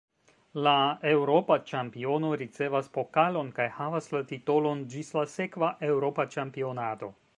La eŭropa ĉampiono ricevas pokalon kaj havas la titolon ĝis la sekva eŭropa ĉampionado.